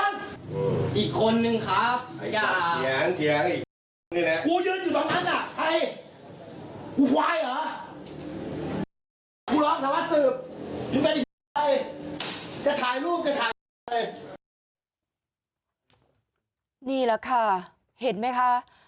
นี่แหละค่ะเห็นไหมคะ